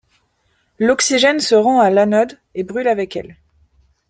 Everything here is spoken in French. L'oxygène se rend à l'anode et brûle avec elle.